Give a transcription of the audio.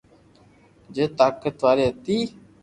جي طاقتواري ھتي